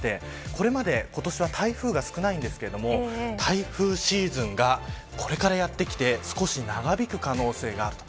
これまで今年は台風が少ないんですけど台風シーズンがこれからやってきて少し長引く可能性があると。